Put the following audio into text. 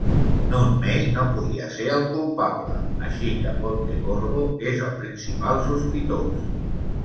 Nunn May no podia ser el culpable, així que Pontecorvo és el principal sospitós.